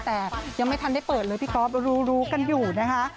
แต่ยังไม่ทันได้เปิดเลยพี่ก๊อฟรู้รู้กันอยู่นะคะ